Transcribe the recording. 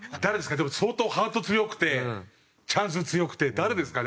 でも相当ハート強くてチャンス強くて誰ですかね？